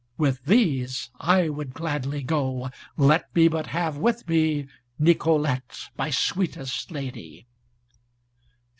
With these I would gladly go, let me but have with me, Nicolete, my sweetest lady."